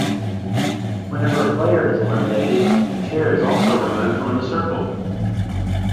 Whenever a player is eliminated, a chair is also removed from the circle.